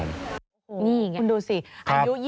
คุณดูสิอายุ๒๓